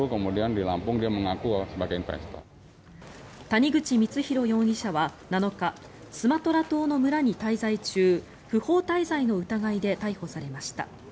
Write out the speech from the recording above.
谷口光弘容疑者は７日スマトラ島の村に滞在中不法滞在の疑いで逮捕されました。